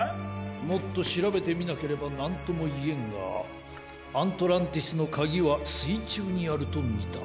もっとしらべてみなければなんともいえんがアントランティスのかぎはすいちゅうにあるとみた。